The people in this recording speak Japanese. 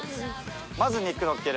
まず肉のっける？